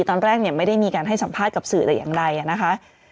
ตอนแรกเนี่ยไม่ได้มีการให้สัมภาษณ์กับสื่อแต่อย่างใดนะคะ